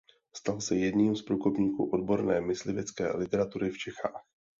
Stal se jedním z průkopníků odborné myslivecké literatury v Čechách.